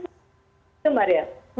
itu mbak ria